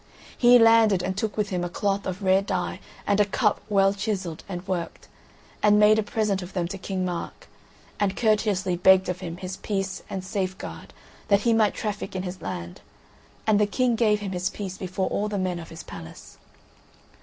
He landed and took with him a cloth of rare dye and a cup well chiselled and worked, and made a present of them to King Mark, and courteously begged of him his peace and safeguard that he might traffick in his land; and the King gave him his peace before all the men of his palace.